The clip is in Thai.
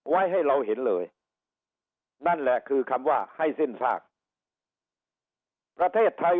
ให้เราเห็นเลยนั่นแหละคือคำว่าให้สิ้นซากประเทศไทย